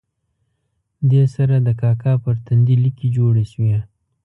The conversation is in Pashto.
دې سره د کاکا پر تندي لیکې جوړې شوې.